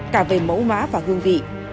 cả về mẫu mã và hương vị